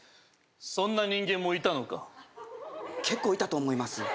そんな人間もいたのか結構いたと思います